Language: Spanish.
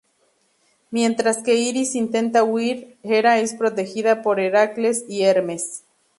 Mientras que Iris intenta huir, Hera es protegida por Heracles y Hermes.